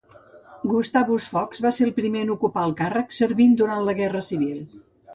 Gustavus Fox va ser el primer en ocupar el càrrec, servint durant la Guerra Civil.